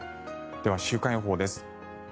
では週間予報です。